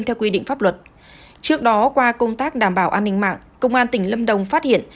theo quy định pháp luật trước đó qua công tác đảm bảo an ninh mạng công an tỉnh lâm đồng phát hiện